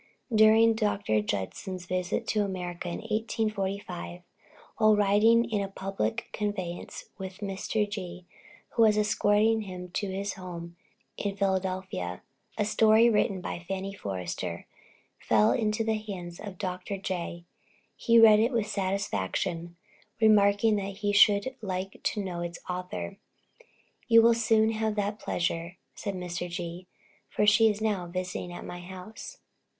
During Dr. Judson's visit to America, in 1845, while riding in a public conveyance with Mr. G., who was escorting him to his home in Philadelphia, a story written by "Fanny Forrester," fell into the hands of Dr. J. He read it with satisfaction, remarking that he should like to know its author. "You will soon have that pleasure," said Mr. G., "for she is now visiting at my house."